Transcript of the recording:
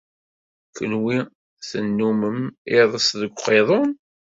Kenwi tennummem iḍes deg uqiḍun.